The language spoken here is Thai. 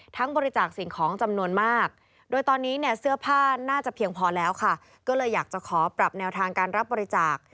บริจาคสิ่งของจำนวนมากโดยตอนนี้เนี่ยเสื้อผ้าน่าจะเพียงพอแล้วค่ะก็เลยอยากจะขอปรับแนวทางการรับบริจาค